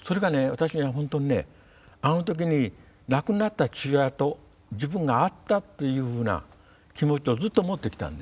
私が本当にねあのときに亡くなった父親と自分が会ったっていうふうな気持ちとずっと持ってきたんです。